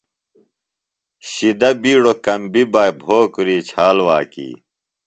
شِدہ بِیڈوۡ کمبیۡ بہ، بھوکُری چھال واکی